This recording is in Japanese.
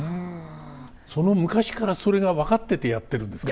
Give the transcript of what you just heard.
昔からそれが分かっててやってるんですかね。